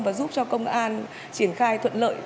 và giúp cho công an triển khai thuận lợi